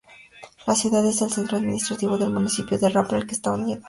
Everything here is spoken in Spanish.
La ciudad es el centro administrativo del municipio de Rapla, al que está unido.